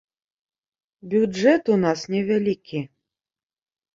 Бюджэт у нас невялікі.